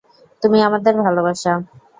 তুমি আমাদের ভালোবাসা।